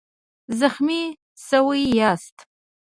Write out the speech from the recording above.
زخمي شوی یاست؟